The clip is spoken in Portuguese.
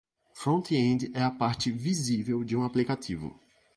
Front-end é a parte visível de um aplicativo.